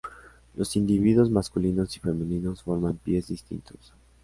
Los individuos masculinos y femeninos forman pies distintos.